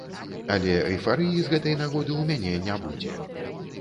Але эйфарыі з гэтай нагоды ў мяне не будзе.